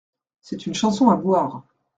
C’est une chanson à boire.